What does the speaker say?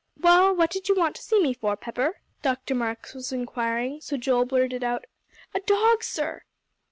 "Well, what did you want to see me for, Pepper?" Dr. Marks was inquiring, so Joel blurted out, "A dog, sir."